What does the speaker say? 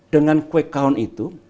dengan wake on itu